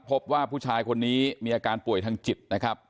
พบว่าผู้ชายคนนี้มีอาการป่วยทางจิตนะครับ